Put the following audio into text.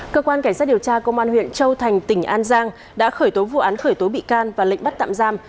cơ quan cảnh sát điều tra công an huyện châu thành tỉnh an giang đã khởi tố vụ án khởi tố bị can và lệnh bắt tạm giam